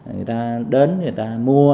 người ta đến người ta mua